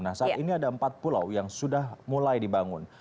nah saat ini ada empat pulau yang sudah mulai dibangun